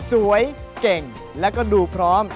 สวยเก่งและก็ดูพร้อม